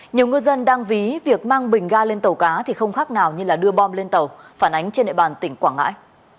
nhiều ngư dân đang ví việc mang bình ga lên tàu cá thì không khác nào như đưa bom lên tàu phản ánh trên địa bàn tỉnh quảng ngãi